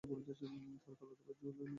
তার খালাতো ভাই জুলাই মাসে জন্মগ্রহণ করে।